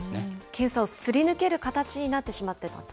検査をすり抜ける形になってしまっていたと。